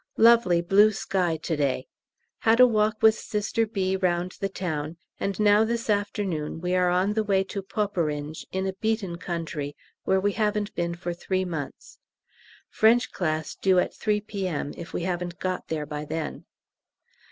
Lovely blue sky to day. Had a walk with Sister B. round the town, and now this afternoon we are on the way to Poperinghe, in a beaten country, where we haven't been for three months. French class due at 3 P.M. if we haven't got there by then.